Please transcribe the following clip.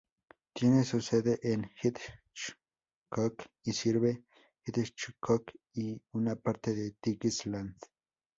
Tiene su sede en Hitchcock, y sirve Hitchcock y una parte de Tiki Island.